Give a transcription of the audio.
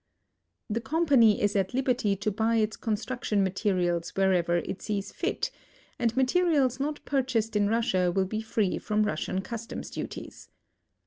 The company is at liberty to buy its construction materials wherever it sees fit, and materials not purchased in Russia will be free from Russian customs duties.